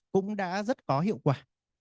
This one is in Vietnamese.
cũng đã rất có hiệu quả